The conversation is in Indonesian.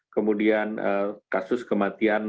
kemudian kasus kematian tiga